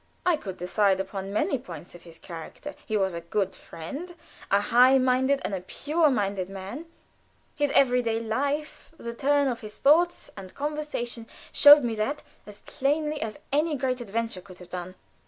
I could decide upon many points of his character. He was a good friend, a high minded and a pure minded man; his every day life, the turn of his thoughts and conversation, showed me that as plainly as any great adventure could have done.